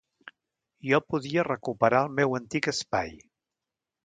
Jo podia recuperar el meu antic espai.